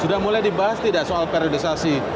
sudah mulai dibahas tidak soal periodisasi